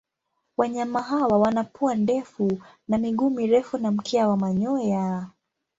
Wanyama hawa wana pua ndefu na miguu mirefu na mkia wa manyoya.